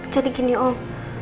jadi gini om